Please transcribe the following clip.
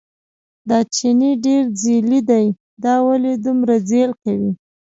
دا چیني ډېر ځېلی دی، دا ولې دومره ځېل کوي.